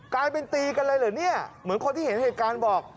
กลายเป็นตีกันเลยเหรอเนี่ยเหมือนคนที่เห็นเหตุการณ์บอก